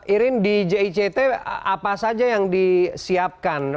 irin di jict apa saja yang disiapkan